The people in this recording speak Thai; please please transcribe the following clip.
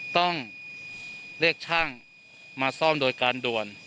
ต้องเรียกช่างมาซ่อมโดยการด่วน